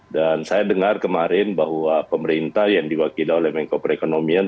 dan saya dengar kemarin bahwa pemerintah yang diwakili oleh menko perekonomian